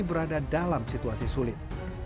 berada dalam situasi sulit